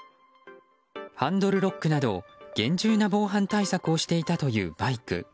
ハンドルロックなど厳重な防犯対策をしていたというバイク。